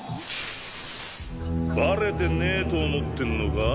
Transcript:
バレてねえと思ってんのか？